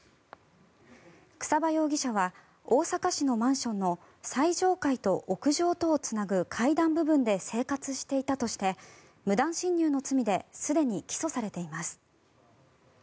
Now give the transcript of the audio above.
草場容疑者は大阪市のマンションの最上階と屋上とをつなぐ階段部分で生活していたとして無断侵入の罪ですでに起訴されています。